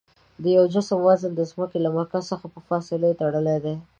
د یوه جسم وزن د ځمکې له مرکز څخه په فاصلې تړلی دی.